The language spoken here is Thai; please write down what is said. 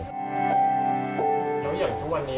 แล้วอย่างทุกวันนี้